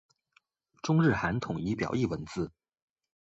中日韩统一表意文字。